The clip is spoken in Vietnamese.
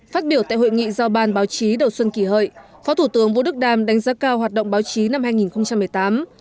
phát biểu tại hội nghị giao ban báo chí đầu xuân kỷ hợi phó thủ tướng vũ đức đam đánh giá cao hoạt động báo chí năm hai nghìn một mươi tám